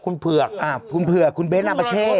คุณท๊อปฟี่๓๐๕๐คุณเปือกคุณเบ๊นนับเช่